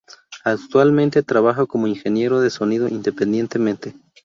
Actualmente trabaja como ingeniero de sonido independientemente.